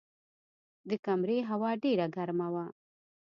د کمرې هوا ډېره ګرمه وه.